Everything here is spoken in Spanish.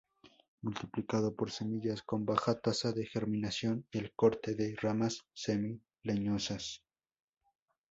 Multiplicado por semillas con baja tasa de germinación, y el corte de ramas semi-leñosas.